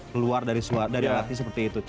keluar dari suara dari alatnya seperti itu